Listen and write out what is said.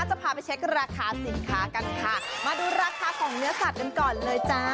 จะพาไปเช็คราคาสินค้ากันค่ะมาดูราคาของเนื้อสัตว์กันก่อนเลยจ้า